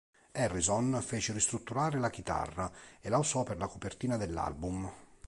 Harrison fece ristrutturare la chitarra e la usò per la copertina dell'album.